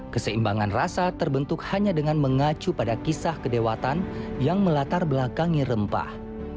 keseimbangan rasa terbentuk hanya dengan mengacu pada kisah kedewatan yang melatar belakangi rempah